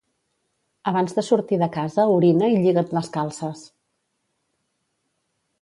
Abans de sortir de casa orina i lliga't les calces.